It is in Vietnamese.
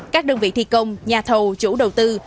các đơn vị thi công nhà thầu chủ đầu tư